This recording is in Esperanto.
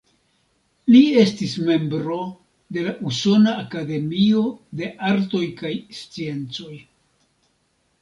Li estis membro de la Usona Akademio de Artoj kaj Sciencoj.